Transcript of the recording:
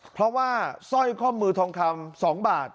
เพราะว่าสร้อยข้อมือทองคำ๒บาท